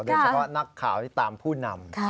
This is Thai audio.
โดยเฉพาะนักข่าวที่ตามผู้นำ